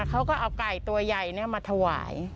เขาก็เอาไก่ตัวใหญ่มาถวาย